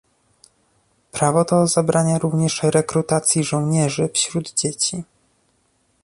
Prawo to zabrania również rekrutacji żołnierzy wśród dzieci